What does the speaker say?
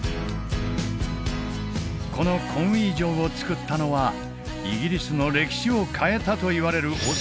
このコンウィ城を造ったのはイギリスの歴史を変えたといわれる王様